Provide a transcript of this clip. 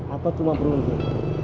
apa cuma beruntung